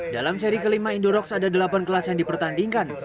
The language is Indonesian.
dalam seri kelima indurox ada delapan kelas yang dipertandingkan